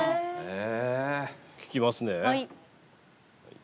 聞きますね。